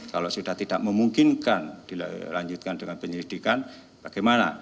kalau sudah tidak memungkinkan dilanjutkan dengan penyelidikan bagaimana